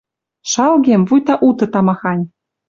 Шалгем, вуйта уты тамахань.